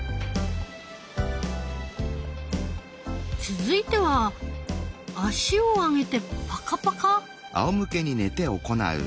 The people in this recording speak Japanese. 続いては足を上げてパカパカ？